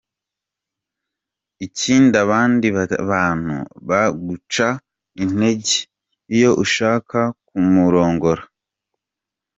Ikindi, abandi bantu baguca intege iyo ushaka kumurongora.